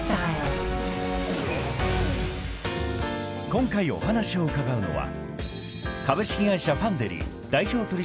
［今回お話を伺うのは］